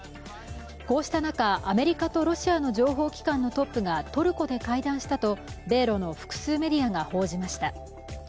こうした中、アメリカとロシアの情報機関のトップがトルコで会談したと米ロの複数メディアが報じました。